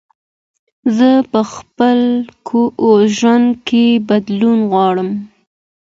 زه په خپل ژوند کې بدلون غواړم.